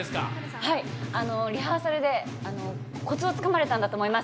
リハーサルでコツをつかまれたんだと思います。